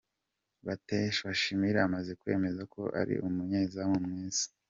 Bate Shamir amaze kwemeza ko ari umunyezamu mwiza .